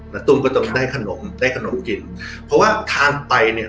ตุ้มก็จะได้ขนมได้ขนมกินเพราะว่าทานไปเนี่ย